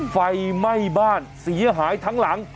ไฟไหม้บ้านเสียหายทั้งหลัง